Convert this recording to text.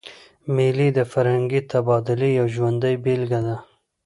مېلې د فرهنګي تبادلې یوه ژوندۍ بېلګه ده.